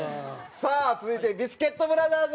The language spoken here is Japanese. さあ続いてビスケットブラザーズ。